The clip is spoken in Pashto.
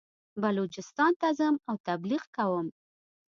بلوچستان ته ځم او تبلیغ کوم.